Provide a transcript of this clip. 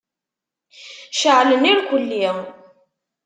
Ceɛlen irkulli.